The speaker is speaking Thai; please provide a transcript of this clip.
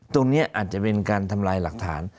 ตรงนี้อาจจะเป็นการทำลายหลักฐาน